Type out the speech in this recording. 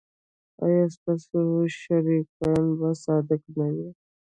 ایا ستاسو شریکان به صادق نه وي؟